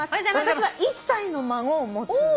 私は１歳の孫を持つ」